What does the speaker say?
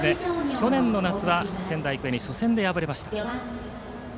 去年の夏は仙台育英に初戦で敗れました。